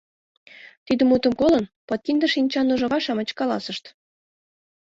Тиде мутым колын, подкинде шинчан ужава-шамыч каласышт: